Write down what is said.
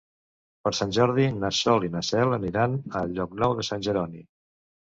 Per Sant Jordi na Sol i na Cel aniran a Llocnou de Sant Jeroni.